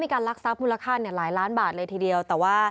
มีการลักซับมูลค่าละลายหลานบาทเลยทีเดียว